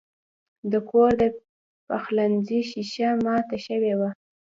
د کور د پخلنځي شیشه مات شوې وه.